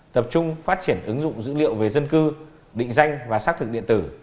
tập trung phát triển ứng dụng dữ liệu về dân cư định danh và xác thực điện tử